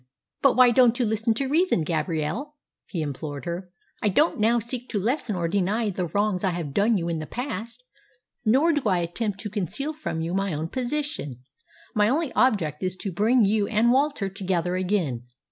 "But why don't you listen to reason, Gabrielle?" he implored her. "I don't now seek to lessen or deny the wrongs I have done you in the past, nor do I attempt to conceal from you my own position. My only object is to bring you and Walter together again.